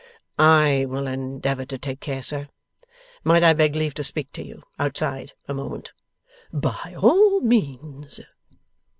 'I will endeavour to take care, sir. Might I beg leave to speak to you, outside, a moment?' 'By all means.